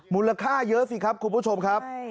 มูลค่าเยอะสิครับคุณผู้ชมครับ